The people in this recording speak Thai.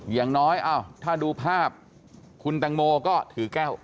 อย่างน้อยถ้าดูภาพคุณแตงโมก็ถือแก้ว